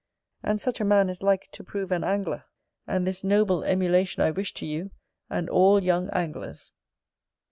And such a man is like to prove an angler; and this noble emulation I wish to you, and all young anglers.